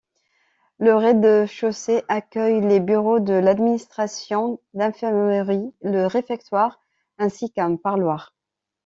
Le rez-de-chaussée accueille les bureaux de l'administration, l'infirmerie, le réfectoire ainsi qu'un parloir.